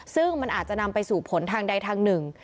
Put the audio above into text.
ซึ่งมันอาจจะนำไปสู่ผลทางใดทางหนึ่ง